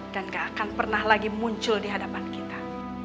dan nggak akan pernah lagi muncul di hadapan kita